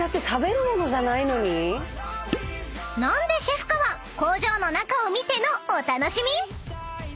［何でシェフかは工場の中を見てのお楽しみ］